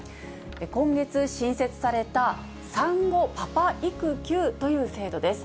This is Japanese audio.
今月新設された、産後パパ育休という制度です。